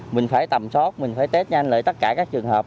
mình phải tầm sót mình phải test nhanh lại tất cả các trường hợp